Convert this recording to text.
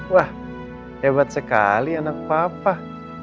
wah hebat sekali anak papa